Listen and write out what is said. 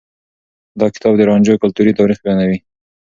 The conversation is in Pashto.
دا کتاب د رانجو کلتوري تاريخ بيانوي.